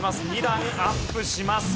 ２段アップします。